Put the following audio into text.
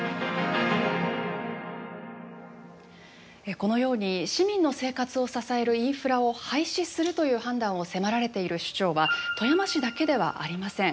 このように市民の生活を支えるインフラを廃止するという判断を迫られている首長は富山市だけではありません。